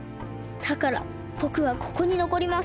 だからぼくはここにのこります。